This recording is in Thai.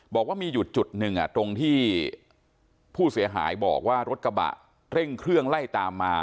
บอกว่ามีอยู่จุดหนึ่งตรงที่ผู้เสียหายบอกว่ารถกระบะเร่งเครื่องไล่ตามมา